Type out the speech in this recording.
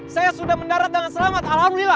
saya sudah mendarat dengan selamat alhamdulillah